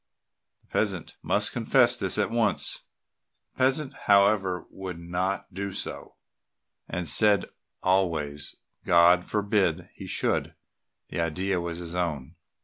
The peasant must confess this at once. The peasant, however, would not do so, and said always, God forbid he should! the idea was his own.